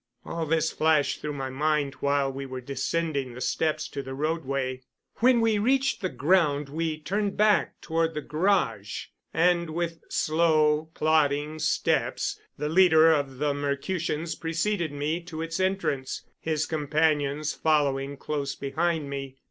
All this flashed through my mind while we were descending the steps to the roadway. When we reached the ground we turned back toward the garage, and with slow, plodding steps the leader of the Mercutians preceded me to its entrance, his companions following close behind me.